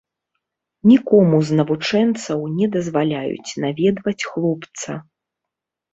Нікому з навучэнцаў не дазваляюць наведваць хлопца.